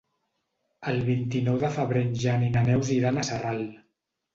El vint-i-nou de febrer en Jan i na Neus iran a Sarral.